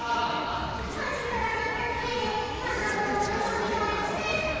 はじからぬったせいでまんなかをぬるのにだいくせん。